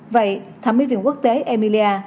vậy thẩm mỹ viện quốc tế emilia